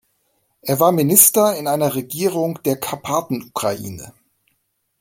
Er war Minister in einer Regierung der Karpatenukraine.